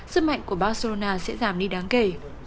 sức mạnh của barcelona sẽ giảm đi đáng kể